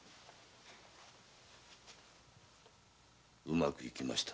うまくゆきました。